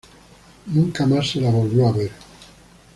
Nunca más se la volvió a ver.